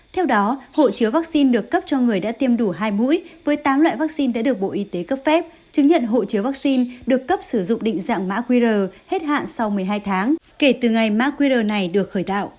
theo đó hộ chứa vaccine được cấp cho người đã tiêm đủ hai mũi với tám loại vaccine đã được bộ y tế cấp phép chứng nhận hộ chiếu vaccine được cấp sử dụng định dạng mã qr hết hạn sau một mươi hai tháng kể từ ngày mã qr này được khởi tạo